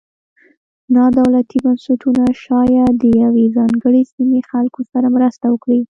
نا دولتي بنسټونه شاید د یوې ځانګړې سیمې خلکو سره مرسته وکړي.